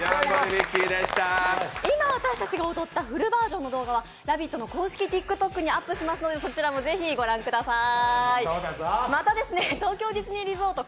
今私たちが踊ったフルバージョンの動画は「ラヴィット！」の公式ＴｉｋＴｏｋｅｒにアップしますので、そちらもぜひご覧ください。